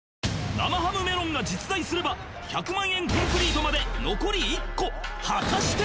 生ハムメロンが実在すれば１００万円コンプリートまで残り１個果たして！？